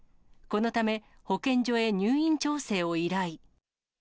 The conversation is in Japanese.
このため、保健所へ入院調整を依頼。